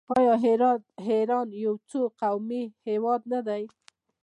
آیا ایران یو څو قومي هیواد نه دی؟